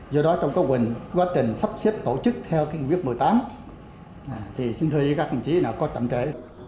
do đó trong các quyền quá trình sắp xếp tổ chức theo kinh quyết một mươi tám thì xin thưa các hành trí có tầm trễ